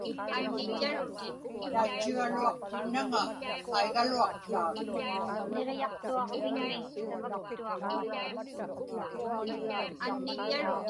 Naatchigaluaqtinnaŋa aigaluaqtaak.